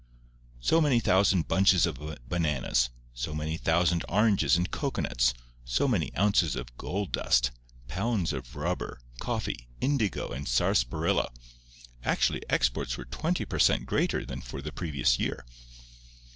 So many thousand bunches of bananas, so many thousand oranges and cocoanuts, so many ounces of gold dust, pounds of rubber, coffee, indigo and sarsaparilla—actually, exports were twenty per cent. greater than for the previous year!